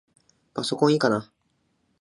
パソコンいいかな？